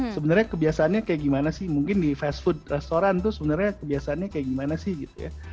sebenarnya kebiasaannya kayak gimana sih mungkin di fast food restoran itu sebenarnya kebiasaannya kayak gimana sih gitu ya